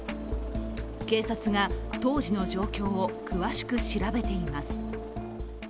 警察が当時の状況を詳しく調べています。